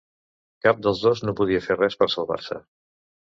Cap dels dos no podia fer res per salvar-se.